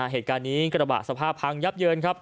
เหตุการณ์นี้กระบะสภาพพังยับเยินครับ